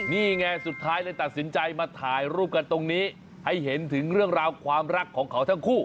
นี่ไงสุดท้ายเลยตัดสินใจมาถ่ายรูปกันตรงนี้ให้เห็นถึงเรื่องราวความรักของเขาทั้งคู่